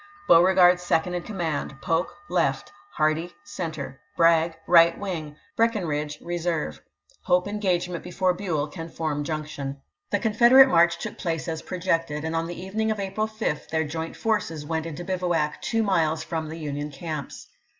Beauregard second in command ; Polk, AiSfi%*|' left ; Hardee, center ; Bragg, right wing ; Breckin voi. x., ' lidge, reserve. Hope engagement before Buell can p. sst." form junction." The Confederate march took place as projected, and on the evening of April 5 their joint forces went into bivouac two miles from the Union camps.